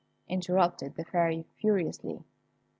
interrupted the Fairy, furiously.